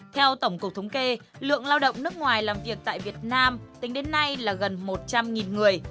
theo tổng cục thống kê lượng lao động nước ngoài làm việc tại việt nam tính đến nay là gần một trăm linh người